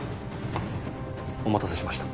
お待たせしました。